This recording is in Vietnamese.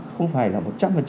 không phải là một trăm linh